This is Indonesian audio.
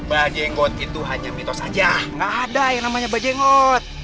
mbak jenggot itu hanya mitos aja gak ada yang namanya mbak jenggot